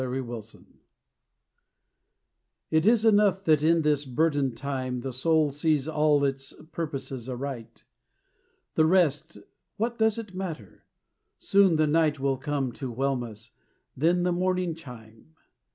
LOVE IS ENOUGH It is enough that in this burdened time The soul sees all its purposes aright. The rest what does it matter? Soon the night Will come to whelm us, then the morning chime.